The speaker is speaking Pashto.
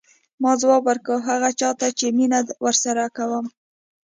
ما ځواب ورکړ هغه چا ته چې مینه ورسره کوم.